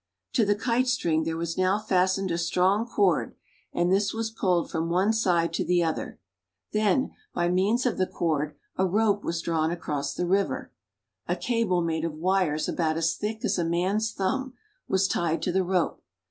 To the kite string there was now fastened a strong cord, and this was pulled from one side to the other. Then, by NIAGARA FALLS. 20: means of the cord, a rope was drawn across the river. A cable made of wires about as thick as a man's thumb was tied to the rope.